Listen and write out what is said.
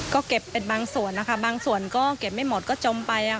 ก็เก็บเป็นบางส่วนนะคะบางส่วนก็เก็บไม่หมดก็จมไป